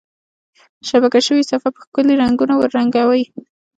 شبکه شوي صفحه په ښکلي رنګونو ورنګوئ.